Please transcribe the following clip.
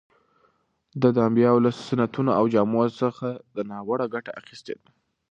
ده د انبیاوو له سنتو او جامو څخه ناوړه ګټه اخیستې ده.